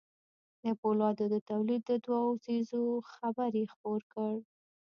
د پولادو د توليد د دوو څېرو خبر يې خپور کړ.